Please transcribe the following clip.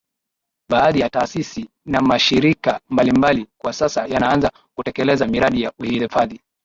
Baadhi ya taasisi na mashirika mbali mbali kwa sasa yanaanza kutekeleza miradi ya uhifadhi